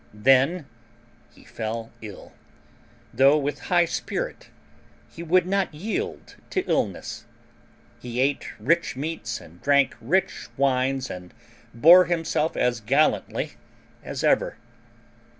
Then he fell ill, though with high spirit he would not yield to illness. He ate rich meats and drank rich wines and bore himself as gallantly as ever.